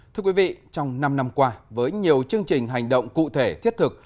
thưa quý vị trong năm năm qua với nhiều chương trình hành động cụ thể thiết thực